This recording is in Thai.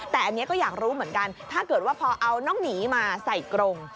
แต่อันนี้ก็อยากรู้เหมือนกันถ้าเกิดว่าพอเอาน้องหมีมาใส่กรง